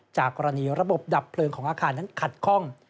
จากกรณีระบบดับเพลิงของอาคารนั้นขัดข้อง